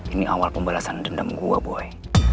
ini awal pembalasan dendam gue boy